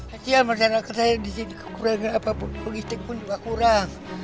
masyarakat saya disini kekurangan apapun politik pun juga kurang